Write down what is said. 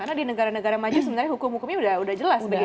karena di negara negara maju sebenarnya hukum hukumnya udah jelas gitu ya